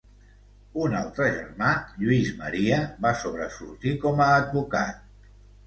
Un altre germà, Lluís Maria, va sobresortir com a advocat.